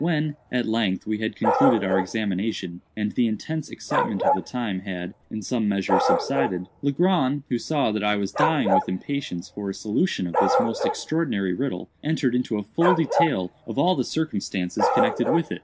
When, at length, we had concluded our examination, and the intense excitement of the time had, in some measure, subsided, Legrand, who saw that I was dying with impatience for a solution of this most extraordinary riddle, entered into a full detail of all the circumstances connected with it.